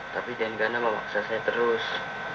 tapi dengana memaksa saya terus